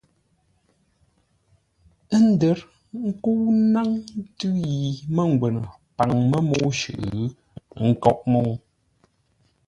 Ə́ ndə̌r ńkə́u ńnáŋ tʉ̌ yi mə́ngwə́nə paŋ mə́ mə́u shʉʼʉ, ə́ nkóʼ mə́u.